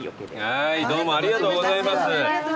はいどうもありがとうございます。